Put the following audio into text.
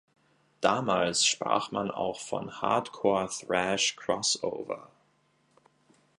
Damals sprach man auch von Hardcore-Thrash-Crossover.